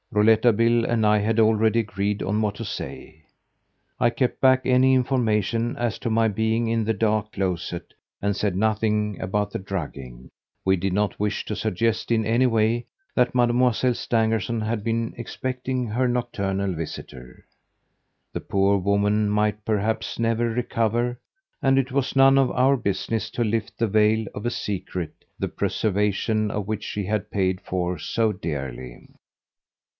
Rouletabille and I had already agreed on what to say. I kept back any information as to my being in the dark closet and said nothing about the drugging. We did not wish to suggest in any way that Mademoiselle Stangerson had been expecting her nocturnal visitor. The poor woman might, perhaps, never recover, and it was none of our business to lift the veil of a secret the preservation of which she had paid for so dearly.